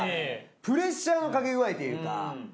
プレッシャーのかけ具合というか。